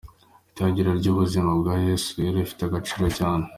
Itangiriro ry’ubuzima bwa Yesu rero rifite agaciro cyane.